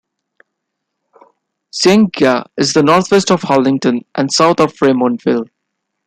Yznaga is northwest of Harlingen and south of Raymondville.